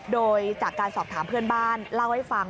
โดยจากการสอบถามเพื่อนบ้านเล่าให้ฟัง